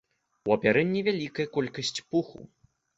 У апярэнні вялікая колькасць пуху.